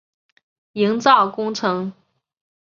营造工程